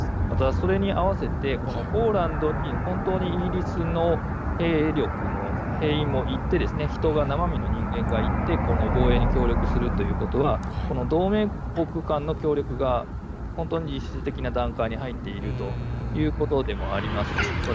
またそれに併せて、このポーランドに本当にイギリスの兵力も、兵員も行って、人が生身の人間が行って、この防衛に協力するということは、この同盟国間の協力が、、本当に実質的な段階に入っているということでもあります。